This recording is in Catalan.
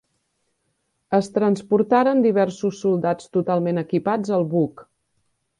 Es transportaren diversos soldats totalment equipats al buc.